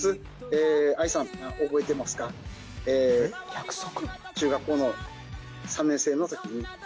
約束？